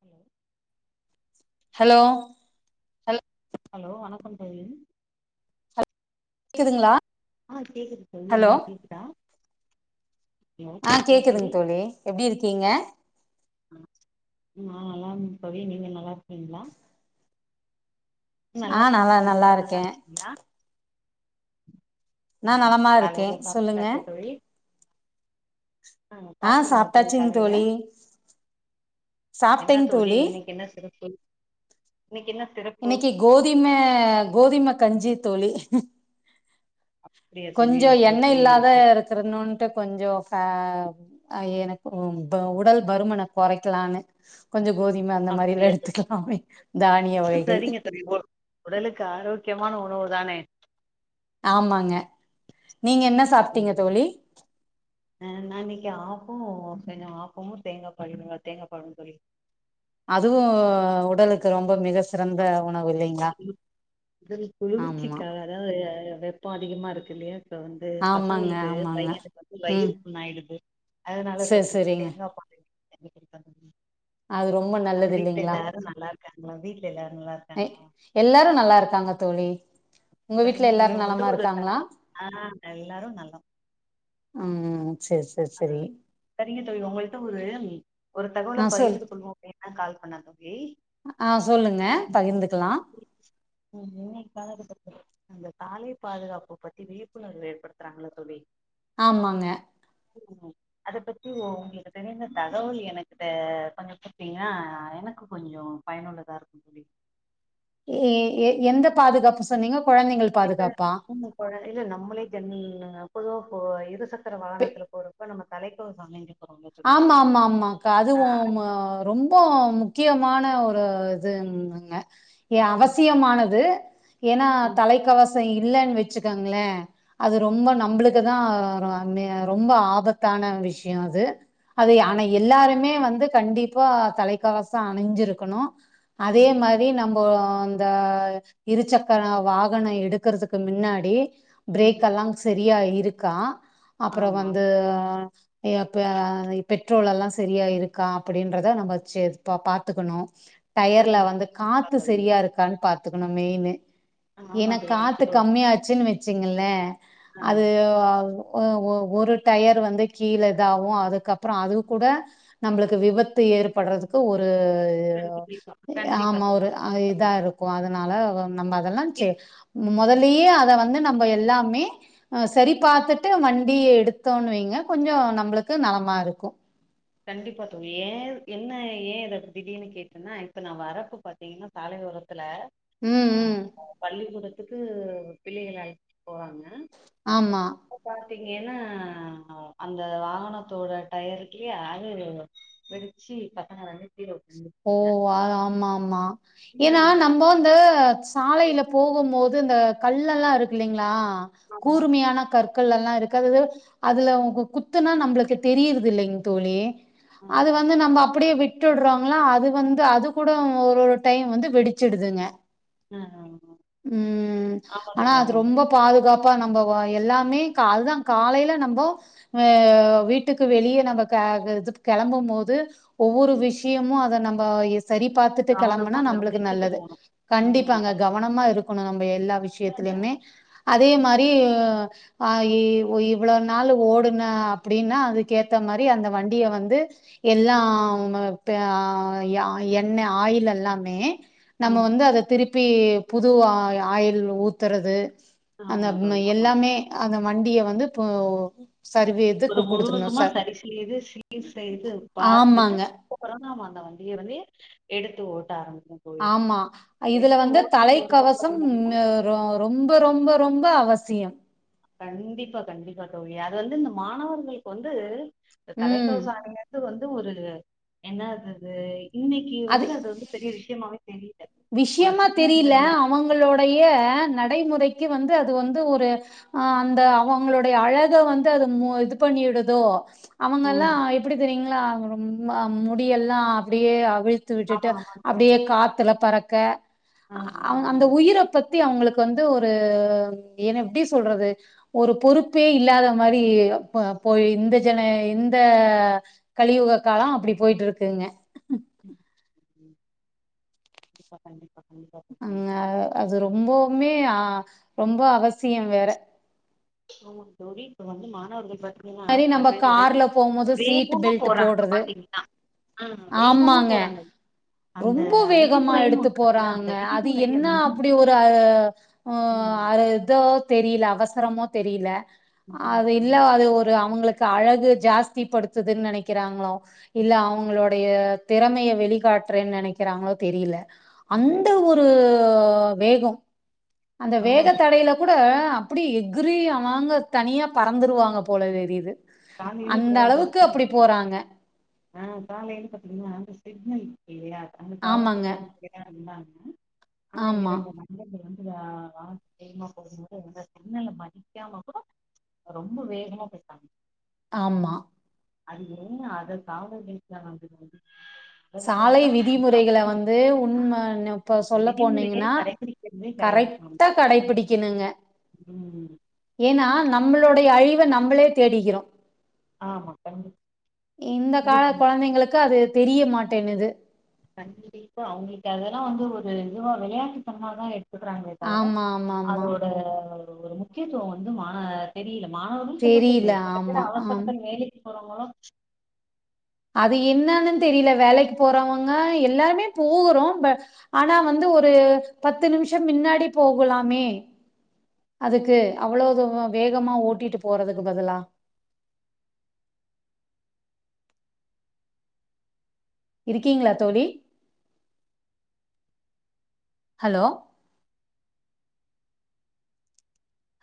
Hello hello hello hello வணக்கம் சகோதரி கேக்குதுங்களா ஆஹ் கேக்குது சகோதரி ஹலோ உங்களுக்கு கேக்குதா ஹலோ ஆஹ் கேக்குதா கேக்குதுங்க தோழி எப்படி இருக்கீங்க அ நல்லா இருக்கேன் தோழி நீங்க நல்லா இருக்கிறீங்களா நல்லா இருக்கேன் சகோதரி நீங்க நல்லா இருக்கீங்களா நா நலமா இருக்கே காலைல சொல்லுங்க சாப்பிட்டாச்சா தோழி ஆ ஆஹ் சாப்ட்டீங்களா சாப்பிட்டாச்சுங்க காலையில தோழி என்ன தோழி இன்னைக்கு என்ன சிறப்பு இன்னைக்கு என்ன சிறப்பு இன்னைக்கு கோதுமை கோதுமை கஞ்சி தோழி அப்படியா தோழி கொஞ்சம் அப்படியா எண்ணய் தோழி இல்லாத சரி இருக்கனும்ட்டு அஹ் எனக்கு உடல் பருமனை கொறைக்கலான்னு கொஞ்சம் கோதுமை அந்த மாதிரி எல்லாம் அப்படியா தோழி எடுத்துக்கலாமே தானிய வகை சரிங்க தோழி உ- உடலுக்கு ஆரோக்கியமான உணவு தானே ஆமாங்க நீங்க என்ன சாப்பிட்டீங்க தோழி ஆஹ் நான் இன்னைக்கு ஆப்பம் ஆப்பமும் தேங்காய் பாலும் தேங்காய் பாலும் தோழி அதுவும் உடலுக்கு ரொம்ப மிக சிறந்த உணவு இல்லைங்களா உடல் ஆமா குளிர்ச்சிக்கு வெப்பம் அதிகமா இருக்கு இல்லையா இப்ப வந்து ஆமாங்க பசங்களுக்கு ஆமாங்க பையனுக்கு வந்து ம் வயிறு புண்ணாயிடுது அதனால சேரி செரி விட்டுட்டு சேரிங்க தேங்காய் பால் அது ரொம்ப அங்க நல்லது வீட்டுல இல்லைங்களா எல்லாரும் நல்லா இருக்காங்களா வீட்டுல எல்லாரும் நல்லா இருக்காங்களா எல்லாரும் நல்லா இருக்காங்க தோழி உங்க வீட்ல செரிங்க தோழி எல்லாரு உங்கள்ட நலமா ஒரு ஆஹ் எல்லாரும் நல்லா ஆஹா செரி செரி சரிங்க தோழி உங்கள்ட ஒரு ஒரு தகவலை ஆ சொல் பகிர்ந்து கொள்வோம் அப்படின்னு தான் கால் பண்ணேன் தோழி ஆஹ் சொல்லுங்க பகிர்ந்துக்கலாம் உம் இன்னைக்காக அந்த சாலை பாதுகாப்பு பத்தி விழிப்புணர்வு ஏற்படுத்துறாங்கள தோழி ஆமாங்க உம் அத பத்தி ஓ உங்களுக்கு தெரிந்த தகவல் எனக்கிட்ட கொஞ்சொ குடுத்தீங்கன்னா எனக்கு கொஞ்சொ பயனுள்ளதா இருக்குந் தோழி எ எ எந்த பாதுகாப்பு சொன்னீங்க கொழந்தைங்களு [inaudible] இல்ல நம்மளே ஜென் பொதுவாக போ இருசக்கர பெ வாகனத்துல போறோம் இப்ப நம்ம தலைக்கு சமைந்சு ஆமா ஆமா ஆமா அக்கா அதுவும் ரொம்ப முக்கியமான ஓரு இதுங்க ஏ ஆமா அவசியமானது ஏன்னா ஆமா தலைக்கவசம் இல்லன்னு வச்சுக்கோங்களேன் அது ரொம்ப நம்மளுக்குதான் ரொம்ப ஆபத்தான விஷயம் அது அது ஆனா கண்டிப்பா எல்லாருமே வந்து கண்டிப்பா தலைக்கவசம் அணிஞ்சிருக்கணும் அதே ம் மாரி தோழி நம்ம அந்த இருசக்கர வாகனம் எடுக்கறிறதுக்கு முன்னாடி ம் பிரேக்கெல்லாம் சரியா இருக்கா அப்புறம் ஆமா வந்துப்ப பெட்ரோல் எல்லாம் சரியா இருக்கா அப்படின்றத நம்ம செ பாத்துக்கணும் டயர்ல கண்டிப்பா வந்து காத்து தோழி செரியா இருக்கான்னு பாத்துக்கணும் மெயின்னு ஆ, ஆமா ஏன்னா தோழி ஆமா காத்து தோழி கம்மியாச்சுன்னு வச்சிகுங்களே ஆ அது ஒ ஒ ஒரு டயர் வந்து கீழ இதாவும் அதுக்கப்பறம் அப்புறம் அது கூட நம்மளுக்கு விபத்து ஏற்பட்றதுக்கு ஒரு கண்டிப்பா து கண்டிப்பா ஆமா தோழி ஒரு அ இதா இருக்கூ அதனால நம்ம அதெல்லா சே இப் ம் மொதல்லயே அத வந்து நம்போ எல்லாமே அ சரி பாத்துட்டு வண்டிய எடுத்தோன்னுவைங்க கொஞ்சோ நம்பளுக்கு நலமா இருக்கூ கண்டிப்பா தோழி ஏன் என்ன ஏன் இத திடீனு கேட்டன்னா இப்ப நா வரப்ப பாத் த்தீங்கன்னா சாலை ஒரத்துல ம் அ ம் பள்ளிக்கூடத்துக்கு பிள்ளைகள அழைத்து போவாங்க ஆம்மா பாத்தீங்கேன்னா அந்த வாகனத்தோட டயருக்கே அணி வெடிச்சி கட்டாங்கர ஓ ஆ ஆம்மா ஆம்மா ஏன்னா ம் நம்போ இந்த சாலையில போகும் போது இந்த கல்லெல்லா இருக்கு இல்லைங்ளா ஆமா கூர்மயான கற்க் கள்லல்லா இருக்கு அது அதுல உங்க குத்துன்னா நம்பளுக்கு தெரியர்தில்லைங் தோழி ஆ அது வந்து நம்ப அப்டியே விட்டுட்றோ இல்னா அது வந்து அது கூட ஒரு ஒரு டைம் வந்து வெடிச்சிடுதுங்க ஆ ம் ஆமா ஆனா தோழி அது ஆமா தோழி ரொம்ப பாதுகாப்பா நம்ப எல்லாமே அதுதா காலையில நம்ப அ வீட்டுக்கு வெளியே நம்ப அ இது கெளம்பும் போது ஒவ்வொரு ம் விஷயமு அத நம்ப சரி பாத்துட்டு கெளம்புனா கவனமா நம்ப்ளுக்கு கவனிச்சுட்டு நல்லது போணும் ம் கண்டிப்பாங்க கவனமா இருக்கணு நம்ப எல்லா கரெக்டா இந்த- விஷயத்திலுமே அதே மாரி ஆ இ இவ்வளோ நாள் ஓடுன அப்டின்னா அதுக்கேத்த மாரி அந்த வண்டிய வந்து எல்லா அவுங்க ட்டு அ யா எண்ணெ ஆயில் எல்லாமே நம்ம ம் வந்து அத திருப் ப்பி புது ஆ ஆயில் ஊத்தறது அந்த ஆமா மா தோழி ஆமா எல்லாமே அந்த வண்டிய வந்து போ சர்வீ ஒரு முழுவதுமா சரி செய்து சீர் செய்து பாத்துட்டு ஆமாங்க ப்ப போரானோ அவ அந்த வண்டிய வந்து எடுத்து ஓட்ட ஆரம்பிக்கு ஆம்மா இதுல வந்து ஒரு பக்கம் தலைக்கவசம் ரொம்ப ரொம்ப ரொம்ப அவசியம் கண்டிப்பா கண்டிப்பா தோழி அது வந்து இந்த மாணவர்களுக்கு வந்து இந்த ம். தலைக்கவசொ அணிய இது வந்து ஒரு என்னாதது இன்னிக்கு வந்து அது வந்து பெரிய விஷ்யமாவே தெரியில விஷ்யமா தெரில அவங்களோடைய நடைமுறைக்கு வந்து அது வந்து ஒரு ஆ அந்த அவங்களுடைய அழக வந்து அது மு இது பண்ணிடுதோ அவங்கெல்லா ம். எப்பிடி தெரியுங்களா ரொம்மா முடியெல்லா அப்பிடியே அவிழ்த் த்து ஆமா, விட்டுட்டு ஆமா தோழி. அப்டியே காத்துல பறக்க ஆ, ஆ, அவ்ங் ஆ. அந்த உயிரப்பத் பத்தி அவுங்குளுக்கு வந்து ஒரு ஏன எப்டி சொல்றது ஒரு பொறுப்பே இல்லாத மாரி போ போய் இந்த ஜன இந்த கலியுக காலோ அப்டி போயிட்ருக்குங்க ம் ம் கண்டிப்பா கண்டிப்பா கண்டிப்பா தோழி அங்க அது ரொம்பவுமே அ ரொம்ப அவசியம் வேற ஆமா தோழி இப்ப வந்து மாணவர்கள் பாத் எப்டினா மாரி சில நம்ம பேரு கார்ல போம்போது சீட் வேகமா பெல்ட் போறாங்க போடுறது பாத்தீங்ன்னா ஆ வேகமா போறாங்கள் ரொம்போ வேகமா எடுத்து இருக்குல்ல, அந்த போறாங்க அது விதிமுறைய என்ன அப்டி ஒரு அ ஓ ம். அர எத்தோ தெரியில அவசரமோ தெரியில ஆமா, அது இல்ல ஆமா. அது ஒர் ரு அவுங்களுக்கு அழகு ஜாஸ்தி படுத்துதுன் நெனைக்கிறாங்ளோ இல்ல அவுங்களோ டைய தெறமைய வெளிகாட்டுறேன் நெனக்கிறாங்ளோ தெரியில ம். அந்த ஒ ரு வேகோ அந்த ஆமா வேக தோழி. தடையில கூட அப்பிடி எக்கிரி அ வாங்க தனியா பறந்துருவாங்க போல தெரியிது காலையில அந்த இப்படிதான் அளவுக்கு தோழி அப்பிடி போறாங்க ஆ காலையில பாத்தீங்கன்னா அந்த சிக்னல் இக் இல்லையா அந்த ஆமாங்க காவல்துறை அதி சிலேதா இந்தாங்க ஆனா ஆமா இறங்கல இல்லப்பே வந்ததா [unintelligible] மதிக்காம கூட ரொம்ப வேகமா போய்ட்டாங் ஆமா அது என்ன அத காவல்நிலயத்தில வாங்கி வாங்கி சாலை விதிமுறைகள வந்து உண்மனு இப்ப அந்த சொல்ல விதிமுறையே போனீங்கன்னா கடைபிடிக்கிறதே கரெக்ட்டா கடைபிடிக்கணுங்க ம் ம் ஏனா நம்பளுடைய அழிவ நம்பளே தேடிக்கிறோ ஆமா. கண்டிப் இந்த கால கண்டிப்பா. கொழந்தைங்களுக்கு அது தெரிய மாட்டேன்னுது கண்டிப்பா அவுங்களுக்கு அதெல்லா வந்து ஒரு இதுவா வெளையாட்டுத்தனமாதா எடு சொல்றாங்களே தவர ஆமா ஆமா ஆமா அதோட ஒரு ஒரு முக்கியத்துவோ வந்து மான தெரியில மாணவர்களு சொல்லிக்க தெரியல முடியாது இப்ப எத்தன ஆமா ஆமா அவசரத்த வேலைக்கு போறவங்களு அது என்னான்னு தெரியல வேலைக் போறவங்க எல்லாருமே போகுறோ ப ஆனா வந்து ஒரு பத்து நிமிஷோ மின்னாடி போகலாமே அதுக்கு அவ்ளோ தூவோ வேகமா ஓட்டிட்டு போறதுக்கு பதிலா இருக்கீங்களா தோழி ஹலோ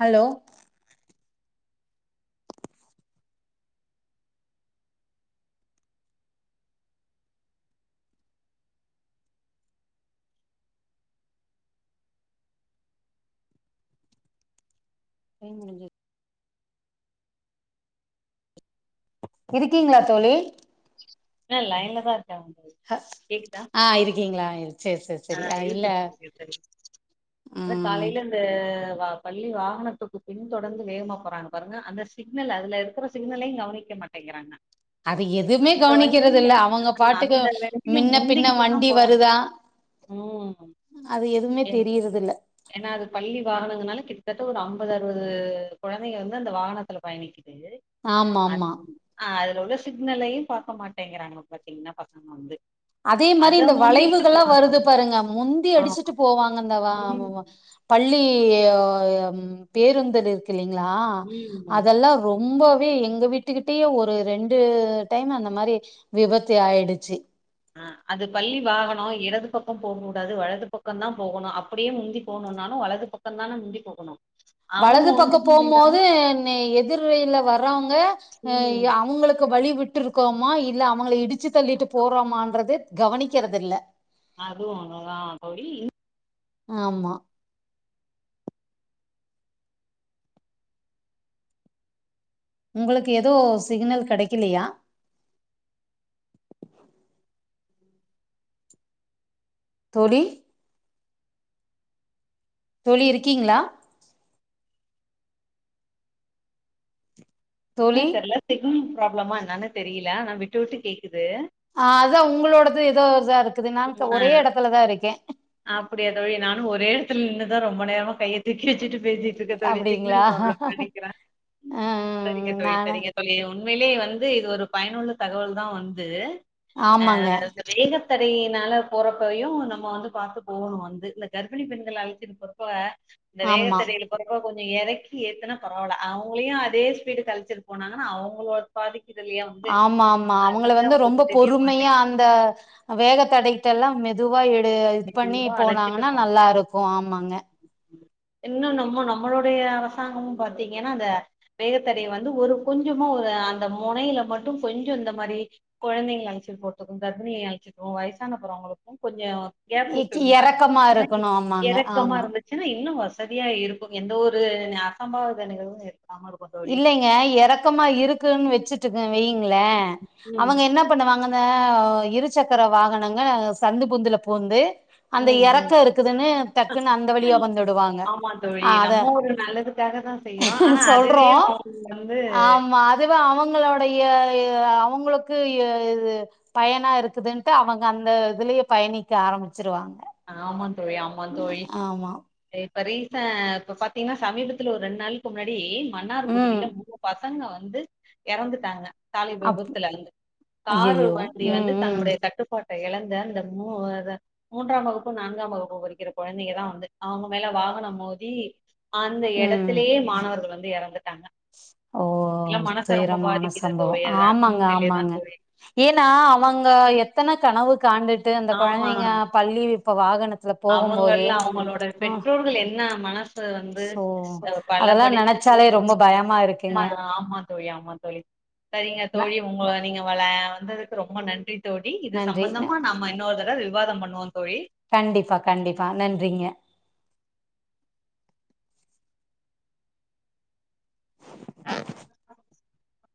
ஹலோ டைம் முடின்சி இருக்கீங்ளா தோழி ஆ லைன்லதா இருக்கே ஹ ஆ இருக்கீங்ளா இருக் ஆ இருக்கு [unintelligible] அதா ம் காலையில தே வ பள்ளி வ வாகனத்துக்கு பின் தொடந்து வேகமா போறாங்க பாருங்க அந்த சிக்னல அதுல இருக்கிற சிக்னலைங் கவனிக்கமாட்டேங்கிறாங்க அது எதுமே கவனிக்கிறது இல்ல அவங்க பாட்டுக்கு அந்த வண்டிய மின்ன பின்ன முந்திக்கிட்டுதா வண்டி போறாங்க வருதா ம் அது எதுமே தெரியறது இல்ல ஏன்னா அது பள்ளி வாகனங்கனால கிட்டத்தட்ட ஒரு அம்பது அறுவது கொழந்தைங்க வந்து அந்த வானத்துல பயணிக் இதே ஆமா ஆமா [unintelligible] அ அதுல உள்ள சிக்னல்லையு பாக்க மாட்டேங்கிறாங்க பாத்தீங்ன்னா பசங்க வந்து அதே மாரி அத இந்த முந்திக்கிட்டு வளைவுகள்லாம் போறாங்க. வருது பாருங்க முந்தி ஆமா. அடிச்சிட்டு போவாங்க இந்த வ மு ம். வ பள்ளி ம் பேருந்து இருக்கு இல்லைங்ளா ம். அதெல்லா ரொம்பவே எங்க வீட்டுக்கிட்டயே ஒரு ரெண்டு டைம் அந்த மாரி விபத்து ஆயிடுச்சி ஆ அது பள்ளி வாகனோ இடது பக்கம் போக்கூடாது வலது பக்கம் தா போகணு அப்படியே முந்தி போணுன்னாலு வலது பொக்கந்தான முந்தி போகணு வலது பக்கோ போம்மோது நெ எ திர் வெயில வர்றவுங்க அ ம். எ அவுங்களுக்கு வழிவிட்டுருக்கோமா இல்ல அவங்க இடி ச்சி தள்ளிட்டு போறோமான்றதே கவனிக்கறது இல்ல அது ஒன்னுதா தோழி ஆமா உங்களுக்கு எதோ சிக்னல் கடைக்கலியா தோழி தோழி இருக்கீங்களா ஏ தோழி தெரியல சிக்னல் ப்ராப்ளமா என்னன்னு தெரியல நா விட்டு விட்டு கேட்குது ஆ அதா உங்களோடது ஏதோ இதா இருக்குது நான ஒரே இடத்துலதா இருக்கே அப்டியா தோழி நானு ஒரே இடத்துல நின்னு தா ரொம்ப நேரம் கைய திக்கி வச்சுட்டு பேசி இருக்கதோ அப்டிங்களா சிக்னல் ப்ராப்ளம் ப நினைக்கிறே ம் சரிங்க தோழி நானு சரிங்க தோழி உண்மையிலயே வந்து இது ஒரு பயனுள்ள தகவல் தா வந்து அ ஆமாங்க வேற ஏதாச்சு வேகத்தடையினால போறப்பையு நம்ம வந்து பாத்து போகணு வந்து இந்த கர்ப்பிணி பெண்கள அழைச்சிட்டு போற இப்ப இந்த ஆமா வேகத்தடையில போறப்ப கொஞ்சம் இறக்கி ஏத்தனா பரவாயில்ல அவங்களையு அதே வீட்டு கழிச்சிட்டு போனாங்கன்னா அவங்களோட பாதிக்குதலைய வந்து ஆமா ஆமா அது அவங்கள வந்து ரொம்ப அவங்களுக்கு தெரிய பொறுமையா மாட்டேன் அந்த வேக தடை எல்லா மெதுவா இடு இது பண்ணி மெதுவா அழச்சிட்டு போனாங்கன்னா போனா நல்லா இருக்கு ஆமாங்க இன்னு நம்ம நம்மளுோடைய அரசாங்கம் பாத்தீங்கன்னா அத வேகத்தட வந்து ஒரு கொஞ்சமா ஒரு அந்த முனையில மட்டு கொஞ்ச இந்த மாரி கொழந்தைங்க அழைச்சிட்டு போறதுக்கு கர்ப்பிணி அழைச்சிட்டுக்கு வயசான போறவங்களுக்கு கொஞ்ச ஏ கூட்டு இருந்தாங்க எறக்கமா இருக்கணு ஆமாங்க இறக்கமா ஆமா இருந்து வச்சுன்னா இன்னு வசதியா இருக்கு எந்த ஒரு அசம்பாத நிகழ்வு இருக்காம இருக்கு தோழி இல்லைங்க இறக்கமா இருக்குன்னு வச்சுட்டுக்க வயங்களே ம் அவங்க என்ன இது பண்ண வாங்கந்தா இருசக்கர வாகனங்க சந்து புந்துல புகுந்து அந்த ம் ம் இறக்க இருக்குதுன்னு டக்குன்னு அந்த வழியா வந்துடுவாங்க ஆ அத அக்காக தா செய்யறோ ஆனா அதுவே சொல்றோ அவங்க வந்து ஆமா அதுவே அவங்களோடைய அவங்களுக்கு இது பயனா இருக்குதுன்ட்டு அவங்க அந்த இதுலயே பயணிக்க ஆரம்பிச்சிருவாங்க ஆமா தோழி ஆமா தோழி ஆமா இப்ப ரீசன்னா இப்ப பாத்தீங்கன்னா சமீபத்துல ஒரு ரெண்டு நாளைக்கு முன்னாடி ம் மன்னார்குடியில மூ ப பசங்க வந்து இறந்துட்டாங்க சாலை அப் விபத்துல வந்து காரு ஐயையோ வண்டி ம் வந்து ம் தன்னுடைய கட்டு பாட்டை இழந்த அந்த மூன்றாம் வகுப்பு நான்காம் வகுப்பு படிக்கிற கொழந்தைங்க தா வந்து அவங்க மேல வாகனம் மோதி அந்த ம் இடத்திலேயே மாணவர்கள் வந்து இறந்துட்டாங்க ஓ எல்லா மனச ரொம்ப துயரமான பாதிக்குது துவையாதா உண்மிலையதா தோழி ஏனா அவங்க எத்தனை கனவு காண்டுட் ட்டு அந்த ஆமா. கொழந்தைங்க பள்ளி இப்ப வாகனத்துல போகும்போது அவங்கள்ல அவங்களோட ஆ பெற்றோர்கள் என்ன மனசு வந்து சோ அ அதெல்லா நெனைச்சாலே ரொம்ப பயமா இருக்கு அம்மா தா ஆமா தோழி ஆமா தோழி சரிங்க ந தோழி ஒங்கள நீங்க வள வந்ததுக்கு ரொம்ப நன்றி தோழி இது நன்றி சம்பந்தமா நாம் இன்னொரு தடவ விவாதம் பண்ணுவோ தோழி கண்டிப்பா கண்டிப்பா நன்றிங்க ஆஹ ஆ [unintelligible]